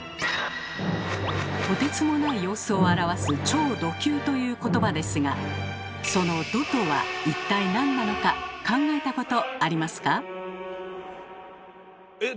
とてつもない様子を表す「超ド級」ということばですがその「ド」とは一体なんなのか考えたことありますか？